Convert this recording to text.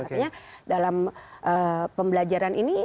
artinya dalam pembelajaran ini